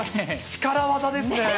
力技ですね。